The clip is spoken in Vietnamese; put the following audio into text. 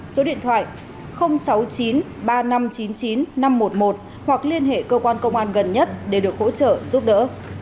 số điện thoại sáu mươi chín ba nghìn năm trăm chín mươi chín năm trăm một mươi một hoặc liên hệ cơ quan công an gần nhất để được hỗ trợ giúp đỡ